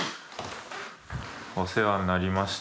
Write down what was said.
お世話になりました。